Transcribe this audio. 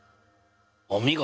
お見事！